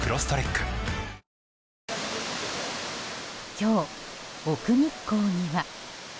今日、奥日光には。